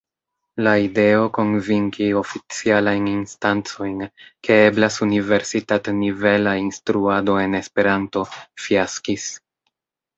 La ideo konvinki oficialajn instancojn, ke eblas universitat-nivela instruado en Esperanto, fiaskis.